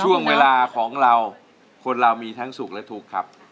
ช่วงเวลาของเราคนเรามีทั้งสุขและทุกข์ครับ